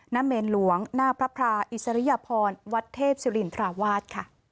นำเมนหลวงณพระพระอิสริยพรวัดเทพศิรินดราวาส